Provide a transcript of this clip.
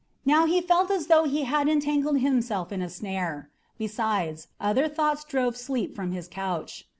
Now he felt as though he had entangled himself in a snare. Besides, other thoughts drove sleep from his couch.